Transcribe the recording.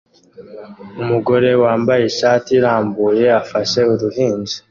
Umugore wambaye ishati irambuye afashe uruhinja